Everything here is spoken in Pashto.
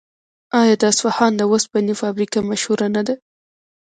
آیا د اصفهان د وسپنې فابریکه مشهوره نه ده؟